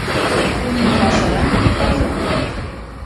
Ունի համալսարան, թատրոն։